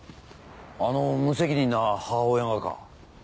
あの無責任な母親がか？